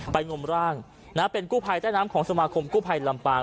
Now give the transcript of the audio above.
งมร่างเป็นกู้ภัยใต้น้ำของสมาคมกู้ภัยลำปาง